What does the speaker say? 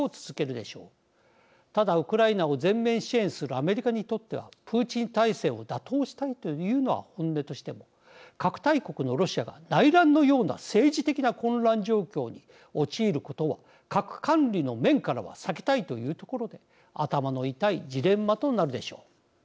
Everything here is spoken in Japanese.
ただウクライナを全面支援するアメリカにとってはプーチン体制を打倒したいというのは本音としても核大国のロシアが内乱のような政治的な混乱状況に陥ることは核管理の面からは避けたいというところで頭の痛いジレンマとなるでしょう。